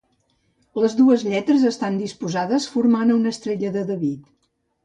Les dues lletres estan disposades formant una Estrella de David.